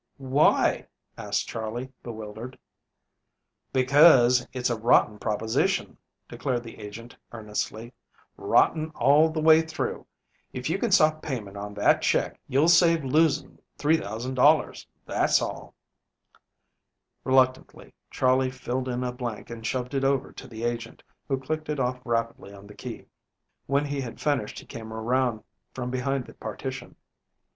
"Why?" asked Charley, bewildered. "Because, it's a rotten proposition," declared the agent earnestly; "rotten all the way through. If you can stop payment on that check you'll save losing $3,000, that's all." Reluctantly Charley filled in a blank and shoved it over to the agent, who clicked it off rapidly on the key. When he had finished he came around from behind the partition.